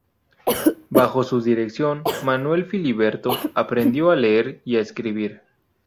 Bajo su dirección Manuel Filiberto aprendió a leer y a escribir.